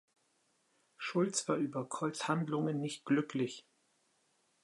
Schultz war über Colls Handlungen nicht glücklich.